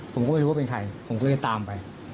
ผมก็ไม่รู้ว่าเป็นใครผมก็เลยตามไป